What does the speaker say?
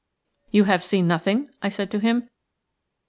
"You have seen nothing?" I said to him.